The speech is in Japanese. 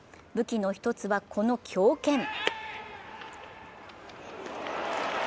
武器の１つは、この強肩。